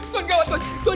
tuan gawat tuan